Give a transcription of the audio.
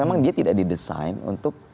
memang dia tidak didesain untuk